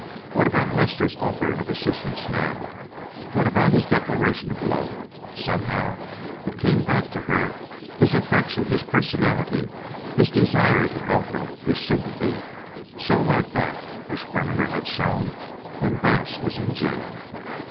What about Lester's offer of assistance now? What about his declaration of love? Somehow it came back to her—his affection, his personality, his desire to help her, his sympathy, so like that which Brander had shown when Bass was in jail.